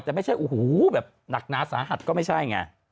แต่ไม่ใช่โอ้โหแบบหนักหนาสาหัสก็ไม่ใช่ไง